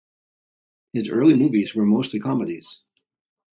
His early movies were mostly comedies.